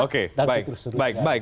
oke baik baik baik